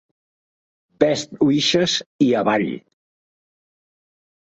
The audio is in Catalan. "Best wishes" i avall.